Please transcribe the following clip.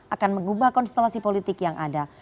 akan mengubah konstelasi politik yang ada